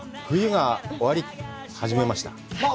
冬が終わり始めました。